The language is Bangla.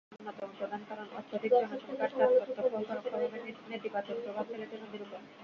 দর্শক থেকে সমালোচক কমবেশি সবাই এটা নিশ্চিত হয়েই ছবি দেখতে বসেন।